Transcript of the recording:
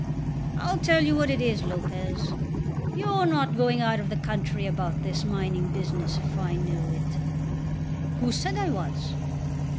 "I'll tell you what it is, Lopez, you're not going out of the country about this mining business, if I know it." "Who said I was?"